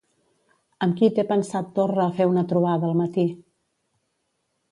Amb qui té pensat Torra fer una trobada al matí?